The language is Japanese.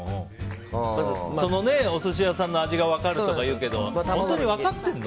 そのお寿司屋さんの味が分かるっていうけど本当に分かってるの？